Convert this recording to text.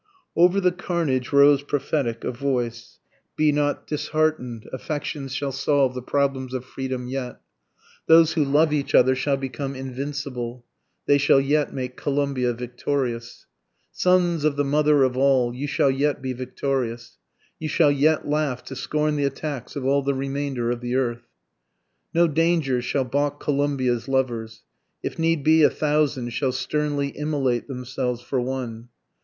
Over the carnage rose prophetic a voice, Be not dishearten'd, affection shall solve the problems of freedom yet, Those who love each other shall become invincible, They shall yet make Columbia victorious. Sons of the Mother of All, you shall yet be victorious, You shall yet laugh to scorn the attacks of all the remainder of the earth. No danger shall balk Columbia's lovers, If need be a thousand shall sternly immolate themselves for one.